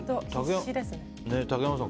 竹山さん